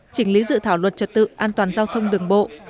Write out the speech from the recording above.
chỉnh lý dự thảo luật trật tự an toàn giao thông đường bộ